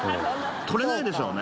取れないでしょうね